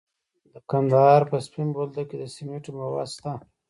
د کندهار په سپین بولدک کې د سمنټو مواد شته.